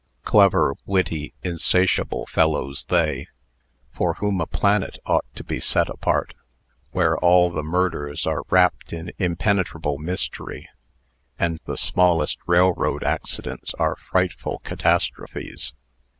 Clever, witty, insatiable fellows they, for whom a planet ought to be set apart, where all the murders are wrapped in impenetrable mystery, and the smallest railroad accidents are frightful catastrophes.